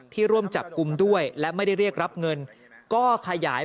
ร่วมจับกลุ่มด้วยและไม่ได้เรียกรับเงินก็ขยาย